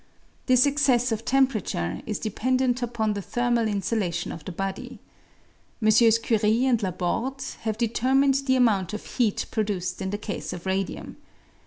This excess of temperature is dependent upon the thermal insulation of the body. MM. Curie and Laborde have determined the amount of heat produced in the case of radium.